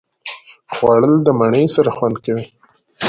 خوړل د مڼې سره خوند کوي